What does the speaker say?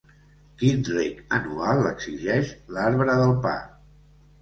Quin reg anual exigeix l'arbre del pa?